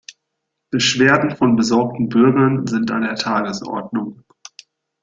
Beschwerden von besorgten Bürgern sind an der Tagesordnung.